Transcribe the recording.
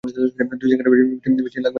দুই সেকেন্ডের বেশি লাগবে না, বুঝেছিস?